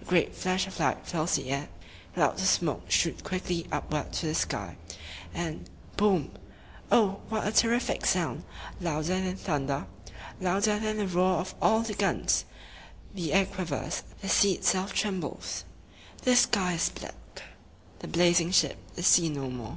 A great flash of light fills the air; clouds of smoke shoot quickly upward to the sky; and "Boom!" Oh, what a ter rif ic sound! Louder than thunder, louder than the roar of all the guns! The air quivers; the sea itself trembles; the sky is black. The blazing ship is seen no more.